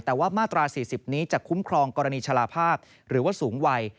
แต่ว่ามาตรา๔๐นี้จะคุ้มครองกรณีชาลาภาพหรือว่าสูงวัย